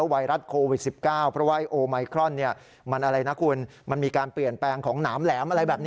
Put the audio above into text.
ไวรัสโควิด๑๙ประวัติโอไมครอนมันมีการเปลี่ยนแปลงของหนามแหลม